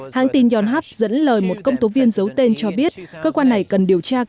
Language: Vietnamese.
hãng tin yonhap dẫn lời một công tố viên giấu tên cho biết cơ quan này cần điều tra